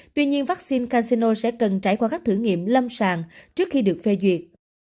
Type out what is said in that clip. tuy nhiên vaccine casino sẽ cần trải qua các thử nghiệm lâm sàng trước khi được phê duyệt